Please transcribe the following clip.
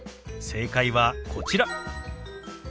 正解はこちら。